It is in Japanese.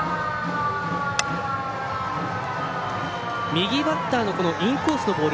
右バッターのインコースのボール